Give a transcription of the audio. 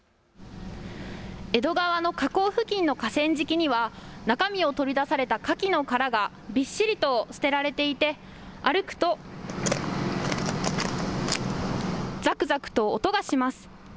江戸川の河口付近の河川敷には中身を取り出されたかきの殻がびっしりと捨てられていて、歩くとざくざくと音がします。